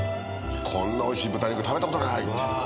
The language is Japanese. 「こんなおいしい豚肉食べたことない」って。